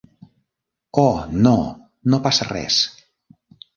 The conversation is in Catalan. Oh, no, no passa res.